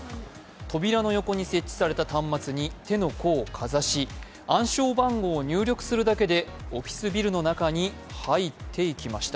扉の横に設置された端末に手の甲をかざし暗証番号を入力するだけでオフィスビルの中に入っていきました。